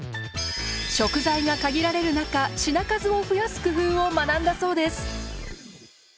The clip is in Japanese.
食材が限られる中品数を増やす工夫を学んだそうです。